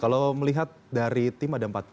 kalau melihat dari tim ada empat puluh